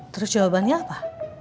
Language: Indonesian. terus jawabannya apa